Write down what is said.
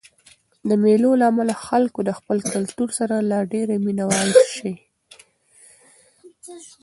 د مېلو له امله خلک د خپل کلتور سره لا ډېر مینه وال سي.